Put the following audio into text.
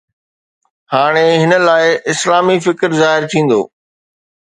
هاڻي هن لاءِ اسلامي فڪر ظاهر ٿيندو